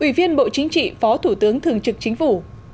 ủy viên bộ chính trị phó thủ tướng thường trực chính phủ